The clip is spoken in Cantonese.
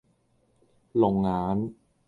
龍眼